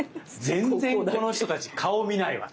全然この人たち顔見ないわ！